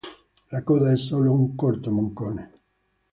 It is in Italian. La coda è solo un corto moncone.